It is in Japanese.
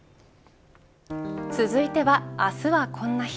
続いては、あすはこんな日。